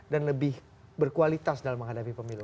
dan lebih berkualitas dalam menghadapi pemilu